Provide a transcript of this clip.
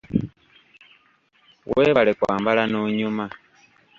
Weebale kwambala n'onyuma.